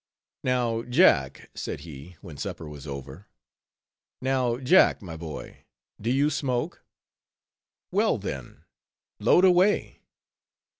"Now Jack," said he, when supper was over, "now Jack, my boy, do you smoke?—Well then, load away."